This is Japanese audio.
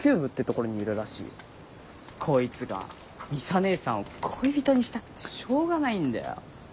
こいつがミサ姐さんを恋人にしたくてしょうがないんだよ。